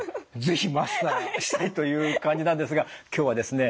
是非マスターしたいという感じなんですが今日はですね